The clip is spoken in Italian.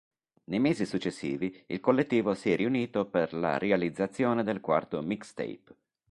Nei mesi successivi il collettivo si è riunito per la realizzazione del quarto mixtape.